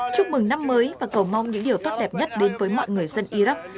chúc mừng năm mới và cầu mong những điều tốt đẹp nhất đến với mọi người dân iraq